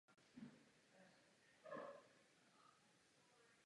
Název Windsor byl vybrán na počest zámku Windsor v anglickém hrabství Berkshire.